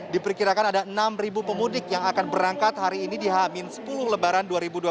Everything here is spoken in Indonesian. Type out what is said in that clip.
diperkirakan ada enam pemudik yang akan berangkat hari ini di hamin sepuluh lebaran dua ribu dua puluh